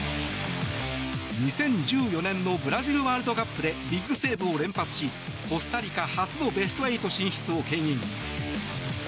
２０１４年のブラジルワールドカップでビッグセーブを連発しコスタリカ初のベスト８進出をけん引。